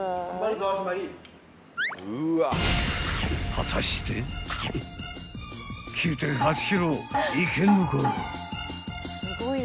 ［果たして９．８ｋｇいけんのか？］